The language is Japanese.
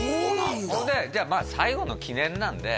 ほんで「じゃあまあ最後の記念なんで」